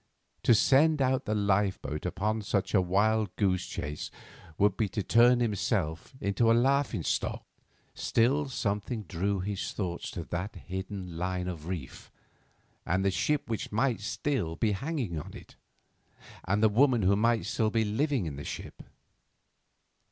To send out the lifeboat upon such a wild goose chase would be to turn himself into a laughing stock. Still something drew his thoughts to that hidden line of reef, and the ship which might still be hanging on it, and the woman who might still be living in the ship.